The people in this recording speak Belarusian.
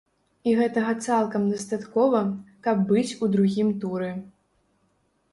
І гэтага цалкам дастаткова, каб быць у другім туры.